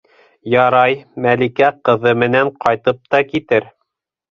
Ярай, Мәликә ҡыҙы менән ҡайтып та китер.